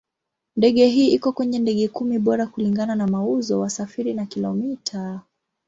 Ndege hii iko kwenye ndege kumi bora kulingana na mauzo, wasafiri na kilomita.